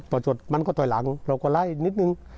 พอจดมันก็ถอยหลังเราก็ไล่นิดนึง